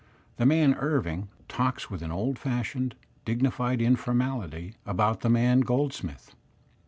The man Irving, talks with an old fashioned, dignified in formality about the man Goldsmith.